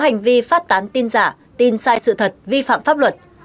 có hành vi phát tán tin giả tin sai sự thật vi phạm pháp luật